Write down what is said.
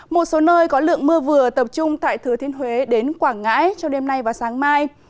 một số nơi có lượng mưa vừa tập trung tại thừa thiên huế đến quảng ngãi trong đêm nay và sáng mai